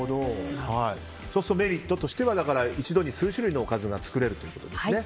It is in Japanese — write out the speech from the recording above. そうするメリットとしては一度に数種類のおかずが作れるということですね。